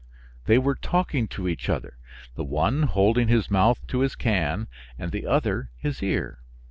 They were talking to each other, the one holding his mouth to his can and the other his ear.